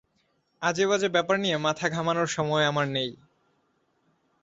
আজেবাজে ব্যাপার নিয়ে মাথা ঘামোনর সময় আমার নেই।